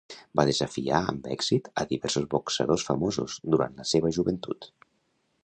Va desafiar amb èxit a diversos boxadors famosos durant la seva joventut.